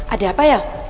ada apa ya